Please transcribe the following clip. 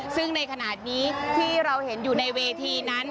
ซึ่งในขณะนี้ที่เราเห็นอยู่ในเวทีนั้น